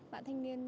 bạn thanh niên